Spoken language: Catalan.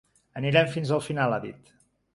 Anirem fins al final, ha dit.